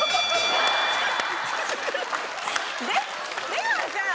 出川さん！